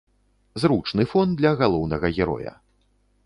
Зручны фон для галоўнага героя.